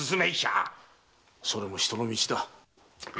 それも人の道だ。